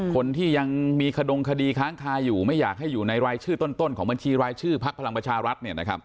คนที่ยังมีขดงคดีค้างคาอยู่ไม่อยากให้อยู่ในรายชื่อต้นของบัญชีรายชื่อพักพลังประชารัฐ